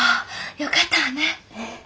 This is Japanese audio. よかったわね！